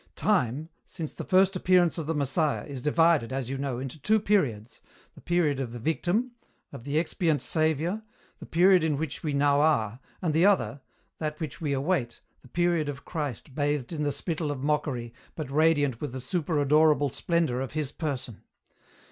Time, since the first appearance of the Messiah, is divided, as you know, into two periods, the period of the Victim, of the expiant Saviour, the period in which we now are, and the other, that which we await, the period of Christ bathed in the spittle of mockery but radiant with the superadorable splendour of His person.